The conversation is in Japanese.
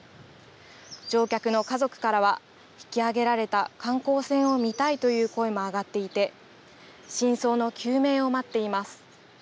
乗客の家族からは、引き揚げられた観光船を見たいという声も上がっていて、真相の究明を待っています。